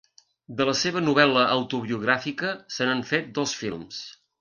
De la seva novel·la autobiogràfica se n'han fet dos films.